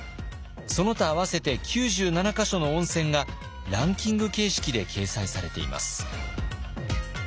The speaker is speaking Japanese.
その他合わせて９７か所の温泉がランキング形式で掲載されています。